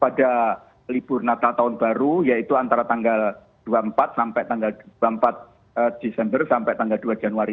pada libur natal tahun baru yaitu antara tanggal dua puluh empat sampai tanggal dua puluh empat desember sampai tanggal dua januari